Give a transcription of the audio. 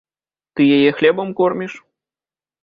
Ты яе хлебам корміш?